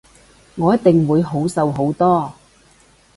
我一定會好受好多